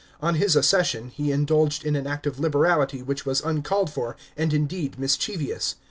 On his accession he indulged in an act of liberality which was uncalled for, and indeed mischievous.